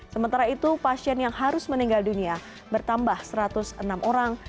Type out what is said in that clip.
sementara itu pasien yang harus meninggal dunia bertambah satu ratus enam orang